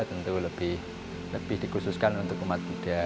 tentu lebih dikhususkan untuk umat buddha